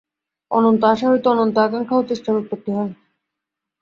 অনন্ত আশা হইতে অনন্ত আকাঙ্ক্ষা ও চেষ্টার উৎপত্তি হয়।